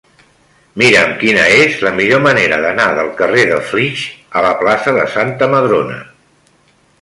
Mira'm quina és la millor manera d'anar del carrer de Flix a la plaça de Santa Madrona.